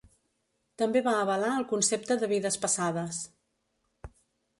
També va avalar el concepte de vides passades.